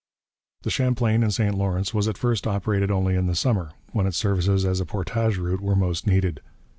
The Champlain and St Lawrence was at first operated only in the summer, when its services as a portage route were most needed.